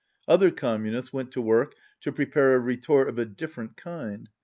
Other Communists went to work to prepare a retort of a different kind.